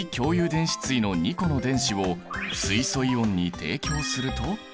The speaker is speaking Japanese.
電子対の２個の電子を水素イオンに提供すると。